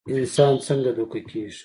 انسان څنګ دوکه کيږي